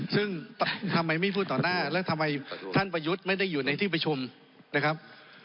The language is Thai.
ซึ่งทำไมไม่พูดต่อหน้าแล้วทำไมท่านประยุทธ์ไม่ได้อยู่ในที่ประชุมนะครับ